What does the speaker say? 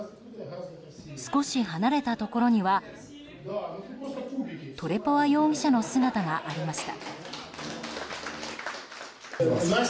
少し離れたところにはトレポワ容疑者の姿がありました。